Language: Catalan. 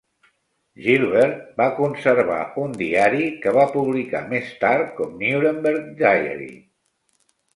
Gilbert va conservar un diari, que va publicar més tard com "Nuremberg Diary".